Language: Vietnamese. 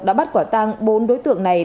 đã bắt quả tăng bốn đối tượng này